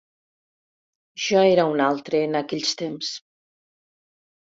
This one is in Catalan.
Jo era un altre, en aquells temps.